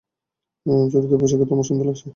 চুরিদার পোষাকে তোমায় সুন্দর লাগছে।